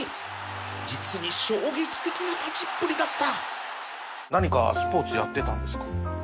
実に衝撃的な勝ちっぷりだった